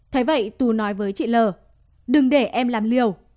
thế vậy tú nói với chị l đừng để em làm liều